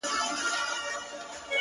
هغه وه تورو غرونو ته رويا وايي،